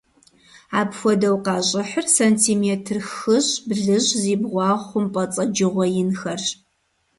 Апхуэдэу къащӀыхьыр сантиметр хыщӀ-блыщӀ зи бгъуагъ хъумпӀэцӀэджыгъуэ инхэрщ.